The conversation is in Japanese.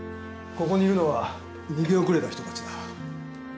ここにいるのは逃げ遅れた人たちだ。